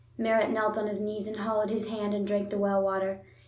Merritt knelt on his knees, and hollowed his hand and drank the well water.